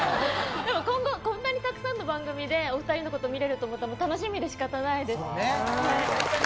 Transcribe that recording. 今後、こんなにたくさんの番組でお二人のことを見られると思うと楽しみで仕方がないです。